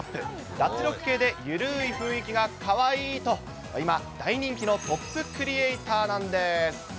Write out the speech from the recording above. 脱力系でゆるーい雰囲気がかわいいと、今、大人気トップクリエーターなんです。